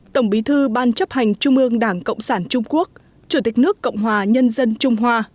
tổng bí thư ban chấp hành trung ương đảng cộng sản trung quốc chủ tịch nước cộng hòa nhân dân trung hoa